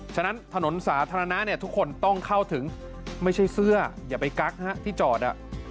ฉะนั้นถนนสาธารณะเนี่ยทุกคนต้องเข้าถึงไม่ใช่เสื้ออย่าไปกั๊กฮะที่จอด